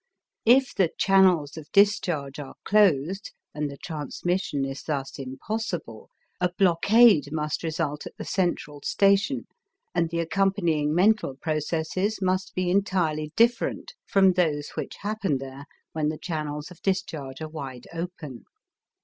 If the channels of discharge are closed and the transmission is thus impossible, a blockade must result at the central station and the accompanying mental processes must be entirely different from those which happen there when the channels of discharge are wide open.